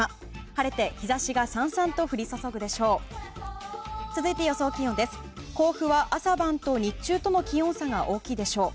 晴れて日差しがさんさんと降り注ぐでしょう。